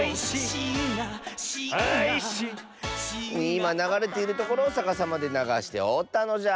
いまながれているところをさかさまでながしておったのじゃ。